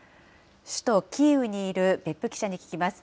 首都キーウにいる別府記者に聞きます。